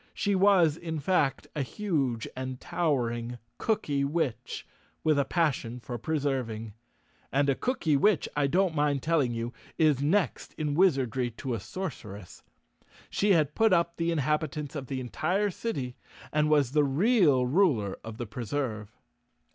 She was, in fact, a huge and towering cookywitch with a pas¬ sion for preserving. And a cookywitch, I don't mind telling you, is next in wizardry to a sorceress. She had put up the inhabitants of the entire city and was the real ruler of the Preserve.